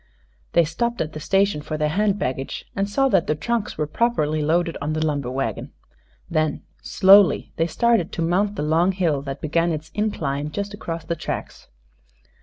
They stopped at the station for their hand baggage, and saw that the trunks were properly loaded on the lumber wagon. Then, slowly, they started to mount the long hill that began its incline just across the tracks.